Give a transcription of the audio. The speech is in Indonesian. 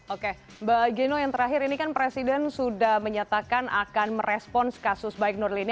oke mbak gino yang terakhir ini kan presiden sudah menyatakan akan merespons kasus baik nuril ini